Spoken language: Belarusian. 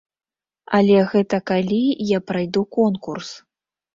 Але гэта калі я прайду конкурс.